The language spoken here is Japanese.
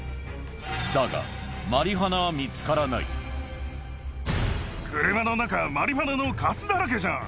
だが、マリファナは見つから車の中、マリファナのかすだらけじゃん。